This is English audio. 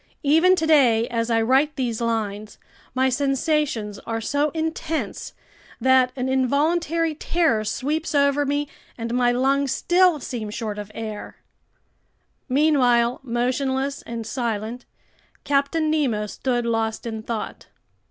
Even today as I write these lines, my sensations are so intense that an involuntary terror sweeps over me, and my lungs still seem short of air! Meanwhile, motionless and silent, Captain Nemo stood lost in thought.